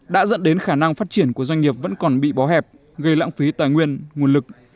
đã dẫn đến khả năng phát triển của doanh nghiệp vẫn còn bị bó hẹp gây lãng phí tài nguyên nguồn lực